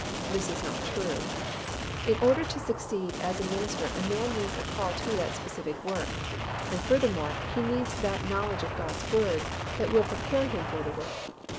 This is not true. In order to succeed as a minister a man needs a call to that specific work, and furthermore, he needs that knowledge of God's Word that will prepare him for the work.